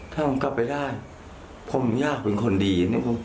ถ้าผมกลับไปได้ผมอยากเป็นคนดี